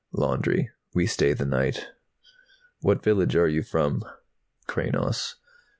"Laundry. We stay the night." "What village are you from?" "Kranos."